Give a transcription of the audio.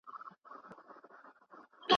که موږ یو ځای کار وکړو نو پایله به یې ښه وي.